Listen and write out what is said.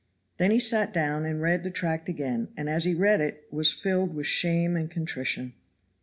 Then he sat down and read the tract again, and as he read it was filled with shame and contrition.